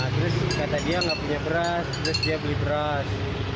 terus kata dia nggak punya beras terus dia beli beras